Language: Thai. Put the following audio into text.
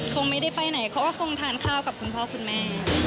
คงไม่ได้ไปไหนเขาก็คงทานข้าวกับคุณพ่อคุณแม่